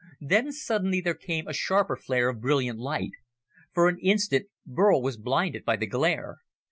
Then suddenly there came a sharper flare of brilliant light. For an instant Burl was blinded by the glare.